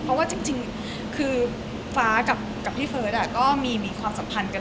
เพราะว่าจริงคือฟ้ากับพี่เฟิร์สก็มีความสัมพันธ์กัน